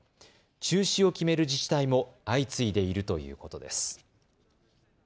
中止を決める自治体も相次いでいるということです。